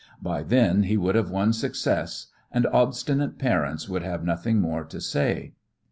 By then he would have won success, and obstinate parents would have nothing more to say.